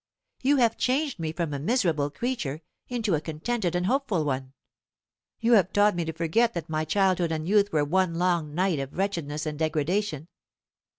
You have changed me from a miserable creature into a contented and hopeful one. You have taught me to forget that my childhood and youth were one long night of wretchedness and degradation.